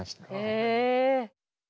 へえ。